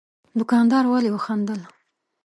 دوکاندار ولي وخندل؟